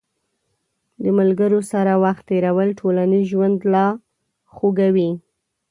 د ملګرو سره وخت تېرول ټولنیز ژوند لا خوږوي.